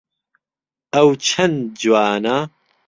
ئەو چەند جوانە!